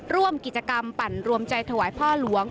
ร่วมกิจกรรมปั่นรวมใจถวายพ่อหลวง